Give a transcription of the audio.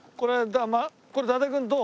これ伊達君どう？